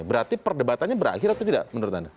berarti perdebatannya berakhir atau tidak menurut anda